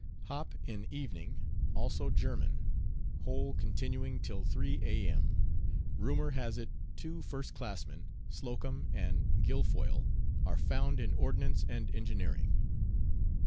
Hop in evening; also German; whole continuing till 3 A.M. Rumor has it two first classmen, Slocum and Guilfoyle, are "found" in ordnance and engineering.